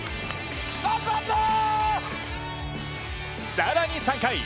更に３回。